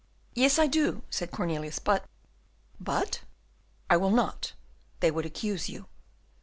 "Yes, I do," said Cornelius, "but " "But?" "I will not, they would accuse you."